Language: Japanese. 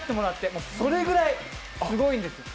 もう、それぐらいすごいんです。